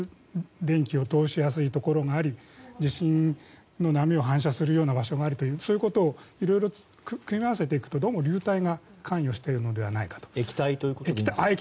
電気を通しやすいところがあり地震の波を反射するような場所がありそういうことをいろいろ組み合わせていくとどうも流体が関与しているのではないかと。